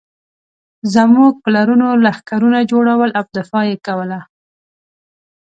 زموږ پلرونو لښکرونه جوړول او دفاع یې کوله.